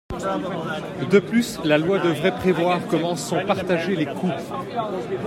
De plus, la loi devrait prévoir comment sont partagés les coûts.